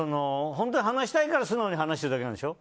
本当に話したいから素直に話してるだけなんでしょ。